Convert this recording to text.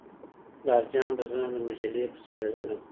پلارجان به زه د مجلې پسې لېږلم.